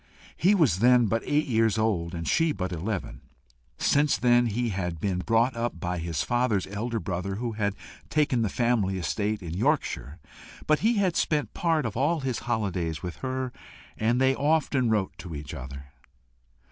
He was then but eight years old, and she but eleven. Since then, he had been brought up by his father's elder brother, who had the family estate in Yorkshire, but he had spent part of all his holidays with her, and they often wrote to each other.